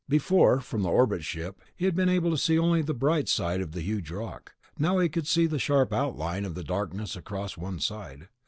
Before, from the orbit ship, he had been able to see only the bright side of the huge rock; now he could see the sharp line of darkness across one side.